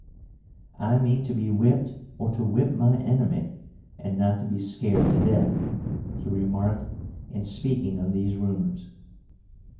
"I mean to be whipped or to whip my enemy, and not to be scared to death," he remarked in speaking of these rumors.